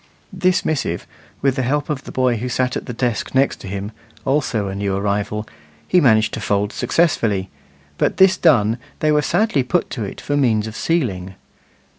This missive, with the help of the boy who sat at the desk next him, also a new arrival, he managed to fold successfully; but this done, they were sadly put to it for means of sealing.